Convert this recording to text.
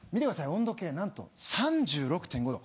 温度計なんと３６．５度。